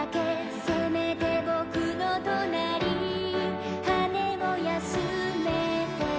「せめて僕の隣」「羽根を休めて」